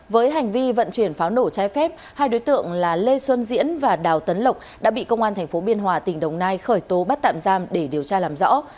với hành vi vận chuyển pháo nổ trái phép hai đối tượng là lê xuân diễn và đào tấn lộc đã bị công an tp biên hòa tỉnh đồng nai khởi tố bắt tạm giam để điều tra làm rõ